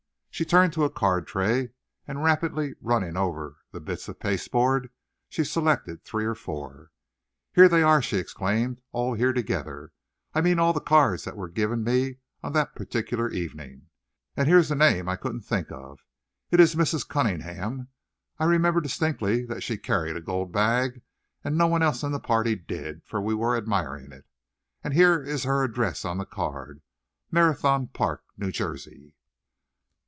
She turned to a card tray, and rapidly running over the bits of pasteboard, she selected three or four. "Here they are," she exclaimed, "all here together. I mean all the cards that were given me on that particular evening. And here is the name I couldn't think of. It is Mrs. Cunningham. I remember distinctly that she carried a gold bag, and no one else in the party did, for we were admiring it. And here is her address on the card; Marathon Park, New Jersey."